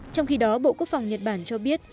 trong khi đó bộ quốc phòng nhật bản cho biết